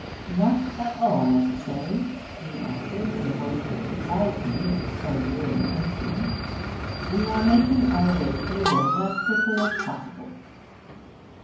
'Not at all necessary,' he answered, in a voice that surprised me, it was so nearly insolent. 'We are making our way to the road as quickly as possible.'